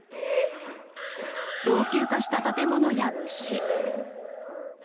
老朽化した建物や虫。